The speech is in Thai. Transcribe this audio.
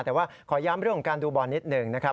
แต่ว่าขอย้ำเรื่องของการดูบอลนิดหนึ่งนะครับ